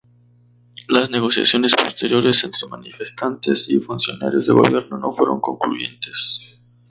Las negociaciones posteriores entre manifestantes y funcionarios de gobierno no fueron concluyentes.